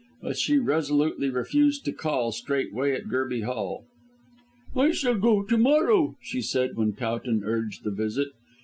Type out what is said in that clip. But she resolutely refused to call straightway at Gerby Hall. "I shall go to morrow," she said when Towton urged the visit.